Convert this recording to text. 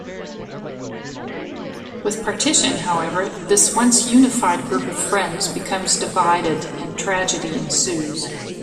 With partition, however, this once unified group of friends becomes divided and tragedy ensues.